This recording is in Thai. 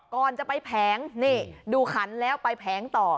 ก่อนจะไปแผงนี่ดูขันแล้วไปแผงต่อ